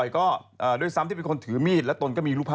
เพราะว่าตอนนี้ก็ไม่มีใครไปข่มครูฆ่า